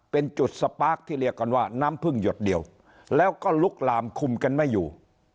เป็นจุดสปาร์คที่เรียกกันว่าน้ำพึ่งหยดเดียวแล้วก็ลุกลามคุมกันไม่อยู่